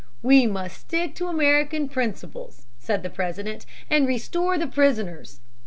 "We must stick to American principles," said the President, "and restore the prisoners."